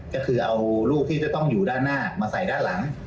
ก็คือเอารูปที่จะต้องอยู่ด้านหน้ามาใส่ด้านหลัง